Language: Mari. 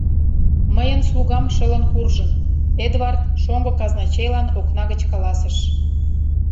Мыйын слугам шылын куржын, — Эдвард шоҥго казначейлан окна гыч каласыш.